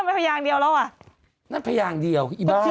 ผมไปพยายามเดียวแล้วอ่ะ